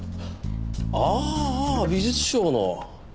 ああああ美術商の。